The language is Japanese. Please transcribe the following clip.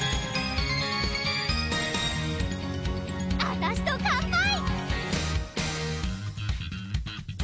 あたしと乾杯！